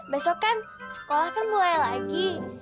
besok kan sekolah kan mulai lagi